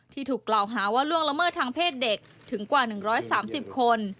ถูกกล่าวหาว่าล่วงละเมิดทางเพศเด็กถึงกว่า๑๓๐คน